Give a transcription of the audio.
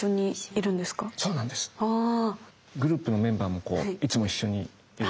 グループのメンバーもいつも一緒にいる？